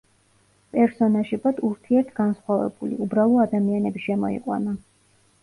პერსონაჟებად ურთიერთგანსხვავებული, უბრალო ადამიანები შემოიყვანა.